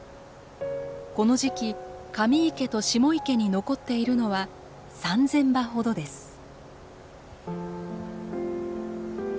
この時期上池と下池に残っているのは３，０００羽ほどです。